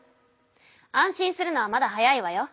安心するのはまだ早いわよ。